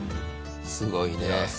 すごいね。